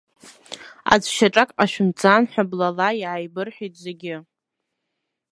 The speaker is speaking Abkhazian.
Аӡә шьаҿак ҟашәымҵан ҳәа, блала иааибырҳәеит зегьы.